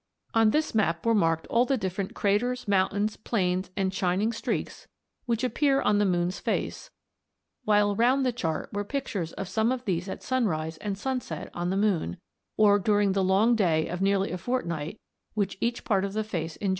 On this map were marked all the different craters, mountains, plains and shining streaks which appear on the moon's face; while round the chart were pictures of some of these at sunrise and sunset on the moon, or during the long day of nearly a fortnight which each part of the face enjoys in its turn.